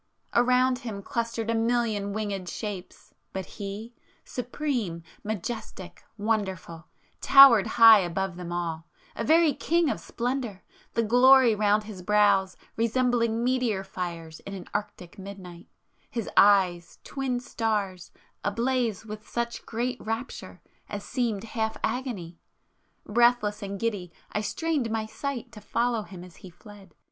Around him [p 475] clustered a million winged shapes,—but He, supreme, majestic, wonderful, towered high above them all, a very king of splendour, the glory round his brows resembling meteor fires in an Arctic midnight,—his eyes, twin stars, ablaze with such great rapture as seemed half agony! Breathless and giddy, I strained my sight to follow him as he fled